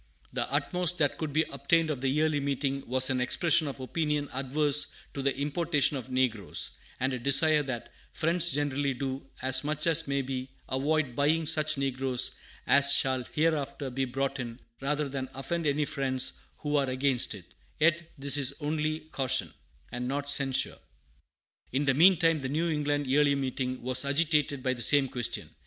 The utmost that could be obtained of the Yearly Meeting was an expression of opinion adverse to the importation of negroes, and a desire that "Friends generally do, as much as may be, avoid buying such negroes as shall hereafter be brought in, rather than offend any Friends who are against it; yet this is only caution, and not censure." In the mean time the New England Yearly Meeting was agitated by the same question.